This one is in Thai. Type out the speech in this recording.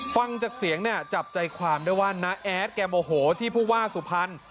ฟังจากเสียงเนี่ยจับใจความได้ว่าน้าแอดแกโมโหที่ผู้ว่าสุพรรณ